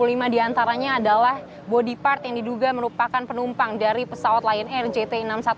lima diantaranya adalah body part yang diduga merupakan penumpang dari pesawat lion air jt enam ratus sepuluh